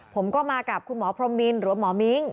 ผมก็มากับคุณหมอพรมมินหรือว่าหมอมิ้ง